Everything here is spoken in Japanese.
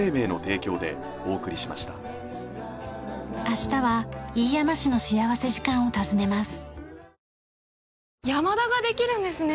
明日は飯山市の幸福時間を訪ねます。